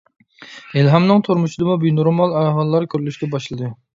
ئىلھامنىڭ تۇرمۇشىدىمۇ بىنورمال ئەھۋاللار كۆرۈلۈشكە باشلىدى.